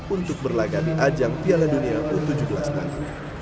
untuk berlagak di ajang piala dunia u tujuh belas nanti